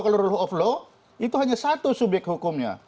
kalau rule of law itu hanya satu subyek hukumnya